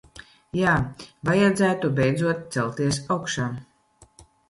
Jā, vajadzētu beidzot celties augšā.